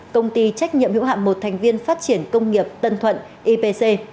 công ty trách nhiệm hữu hạm một thành viên phát triển công nghiệp tân thuận ipc